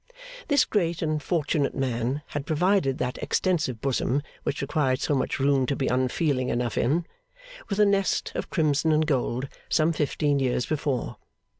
This great and fortunate man had provided that extensive bosom which required so much room to be unfeeling enough in, with a nest of crimson and gold some fifteen years before.